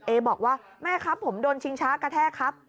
บอกว่าแม่ครับผมโดนชิงช้ากระแทกครับ